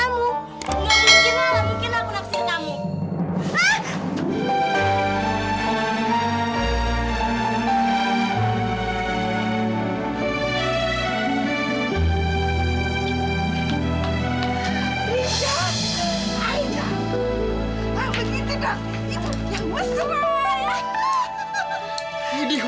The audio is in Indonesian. gak mungkin lah mungkin aku naksir kamu